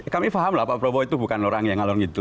kami pahamlah pak prabowo itu bukan lorang yang ngalor gitu